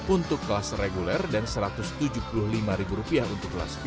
untuk kelas reguler dan satu ratus tujuh puluh lima ribu rupiah untuk kelas vip